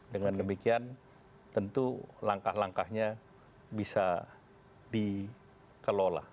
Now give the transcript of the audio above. dengan demikian tentu langkah langkahnya bisa dikelola